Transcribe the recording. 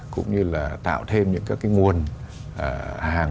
cũng như là tạo thêm những nguồn hàng